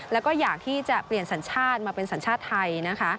แล้วก็อยากที่จะเปลี่ยนสัญชาติมาเป็นสัญชาติไทยนะคะ